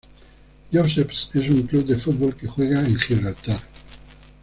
Joseph's es un club de fútbol que juega en Gibraltar.